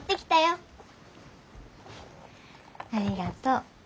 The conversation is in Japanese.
ありがとう。